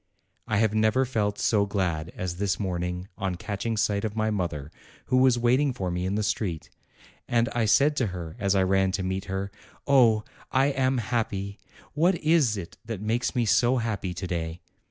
I have never felt so glad as this morning on catch ing sight of my mother, who was waiting for me in the street. And I said to her as I ran to meet her : "Oh, I am happy ! what is it that makes me so happy to day?"